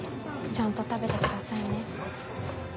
ちゃんと食べてくださいね。